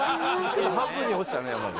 半分に落ちたね。